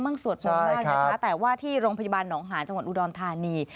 สวดมนต์มากนะคะแต่ว่าที่โรงพยาบาลหนองหานจังหวัดอุดรธานี